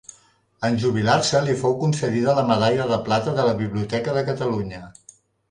En jubilar-se li fou concedida la medalla de plata de la Biblioteca de Catalunya.